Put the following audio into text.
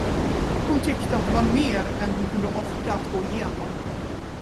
Hon tyckte att det var mer än hon kunde orka att gå igenom.